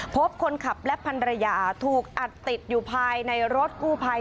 พบคนขับและพันรยาถูกอัดติดอยู่ภายในรถกู้ภัย